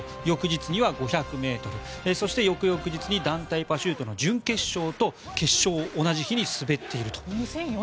翌日には５００ｍそして翌々日に団体パシュートの準決勝と決勝を同じ日に滑っていると。